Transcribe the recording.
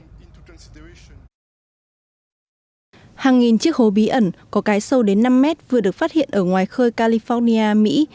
hàng nghìn chiếc hố bí ẩn có cái sâu đến năm mét vừa được phát hiện ở ngoài khơi california mỹ